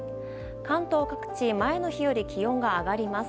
関東各地前の日より気温が上がります。